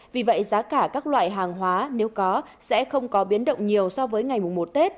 vì vậy giá cả các loại hàng hóa nếu có sẽ không có biến động nhiều so với ngày mùng một tết